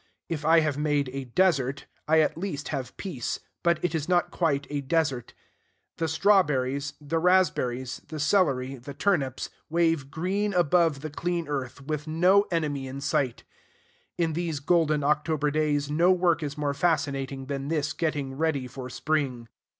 If I have made a desert, I at least have peace; but it is not quite a desert. The strawberries, the raspberries, the celery, the turnips, wave green above the clean earth, with no enemy in sight. In these golden October days no work is more fascinating than this getting ready for spring.